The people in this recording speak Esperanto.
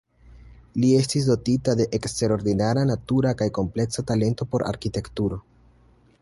Li estis dotita de eksterordinara, natura kaj kompleksa talento por arkitekturo.